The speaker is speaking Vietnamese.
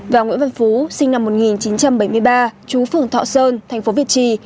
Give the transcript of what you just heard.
và nguyễn văn phú sinh năm một nghìn chín trăm bảy mươi ba chú phường thọ sơn thành phố việt trì